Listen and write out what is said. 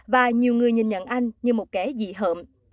và nhiều người nhìn nhận anh như một cái dị hợm